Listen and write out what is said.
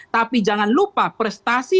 tapi jangan lupa prestasi